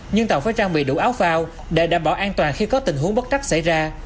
nhưng tàu phải trang bị đủ áo phao để đảm bảo an toàn khi có tình huống bất chắc xảy ra